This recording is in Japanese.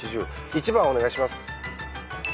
１番お願いします。